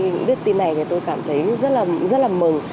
tên này thì tôi cảm thấy rất là mừng